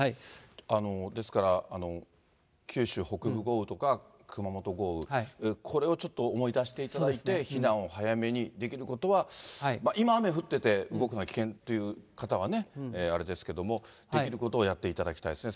ですから九州北部豪雨や熊本豪雨、これをちょっと思い出していただいて、避難を早めに、できることは、今、雨降ってて動くの危険という方はあれですけども、できることをやっていただきたいですね。